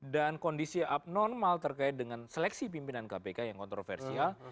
dan kondisi abnormal terkait dengan seleksi pimpinan kpk yang kontroversial